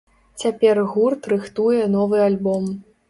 Цяпер гурт рыхтуе новы альбом.